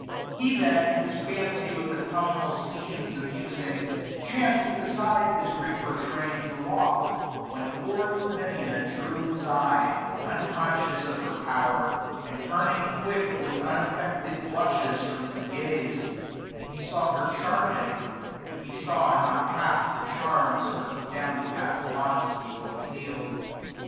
He then, his fancy with autumnal scenes Amusing, chanc'd beside his reaper train 225 To walk, when poor Lavinia drew his eye j Unconscious of her power, and turning quick With unaffected blushes from his gaze : He saw her charming, but he saw not half The charms her downcast modesty conceal* d.